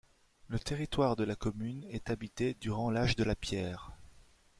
Le territoire de la commune est habité durant l'âge de la pierre.